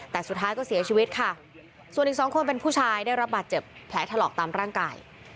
แต่สุดท้ายก็เสียชีวิตค่ะส่วนอีกสองคนเป็นผู้ชายได้รับบาดเจ็บแผลถลอกตามร่างกาย